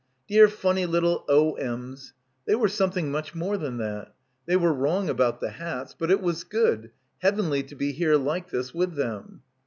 "Dear, funny little O.M.'s" ... they were something much more than that. They were wrong about the hats, but it was good, heavenly to be here like this with them.